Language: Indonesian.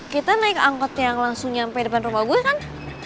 kita naik angkot yang langsung nyampe depan rumah gue kan